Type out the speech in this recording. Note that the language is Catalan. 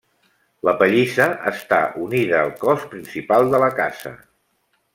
La pallissa està unida al cos principal de la casa.